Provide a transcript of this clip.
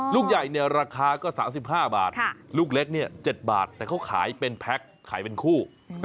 ลูกใหญ่เนี่ยราคาก็๓๕บาทลูกเล็กเนี่ย๗บาทแต่เขาขายเป็นแพ็คขายเป็นคู่